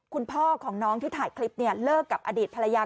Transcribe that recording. คุณพ่อของน้องที่ถ่ายคลิปเนี่ยเลิกกับอดีตภรรยา